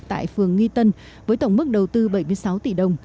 tại phường nghi tân với tổng mức đầu tư bảy mươi sáu tỷ đồng